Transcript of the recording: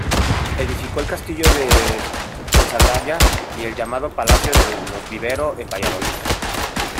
Edificó el castillo de Fuensaldaña, y el llamado Palacio de los Vivero en Valladolid.